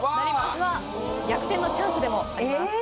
うわ逆転のチャンスでもあります